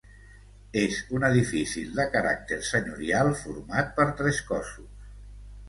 És un edifici de caràcter senyorial format per tres cossos.